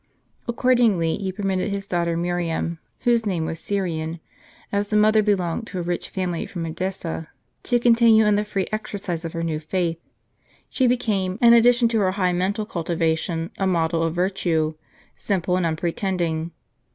Accordingly he permitted his daughter Miriam, whose name was Syrian, as the mother belonged to a rich family from Edessa, to continue in the free exercise of her new faith. She became, in addition to her high mental cultivation. a model of virtue, simple and unpretending.